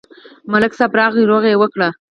ملک صاحب راغی، روغه یې وکړه.